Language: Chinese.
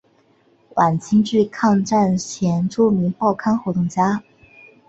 晚清至抗战前著名报刊活动家。